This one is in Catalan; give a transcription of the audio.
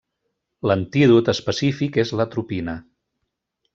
L'antídot específic és l'atropina.